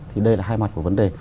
thì đây là hai mặt của vấn đề